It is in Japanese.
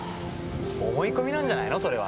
思い込みなんじゃないのそれは。